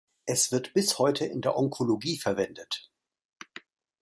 Es wird bis heute in der Onkologie verwendet.